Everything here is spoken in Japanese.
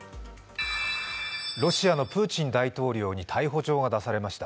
ロシアのプーチン大統領に逮捕状が出されました。